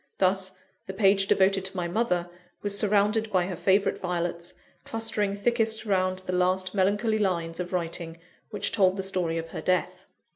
Thus, the page devoted to my mother was surrounded by her favourite violets, clustering thickest round the last melancholy lines of writing which told the story of her death.